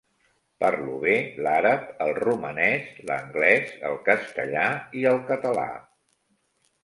Parlo bé l'àrab, el romanès, l'anglès, el castellà i el català.